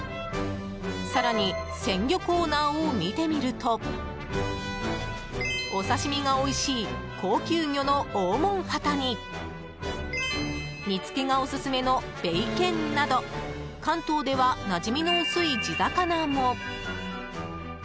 更に鮮魚コーナーを見てみるとお刺し身がおいしい高級魚のオオモンハタに煮付けがオススメのベイケンなど関東ではなじみの薄い地魚も。